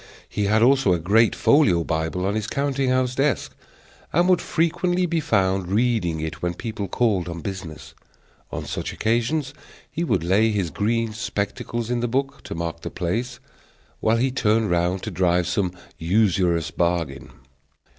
He had also a great folio Bible on his counting house desk, and would frequently be found reading it when people called on business; on such occasions he would lay his green spectacles in the book, to mark the place, while he turned round to drive some usurious bargain.